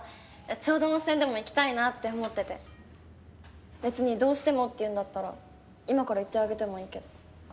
ちょうど温泉でも行きたいなって思ってて別にどうしてもって言うんだったら今から行ってあげてもいいけど。